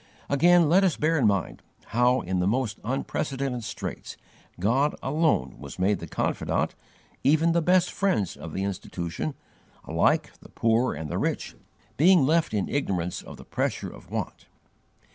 Again, let us bear in mind how in the most unprecedented straits God alone was made the confidant, even the best friends of the Institution, alike the poor and the rich, being left in ignorance of the pressure of want.